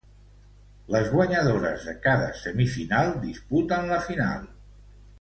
Les guanyadores de cada semifinal disputen la final.